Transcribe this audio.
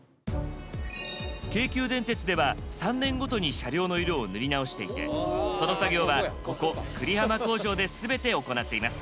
京急電鉄では３年ごとに車両の色を塗り直していてその作業はここ久里浜工場で全て行っています。